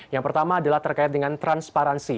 yang pertama adalah terkait dengan transparansi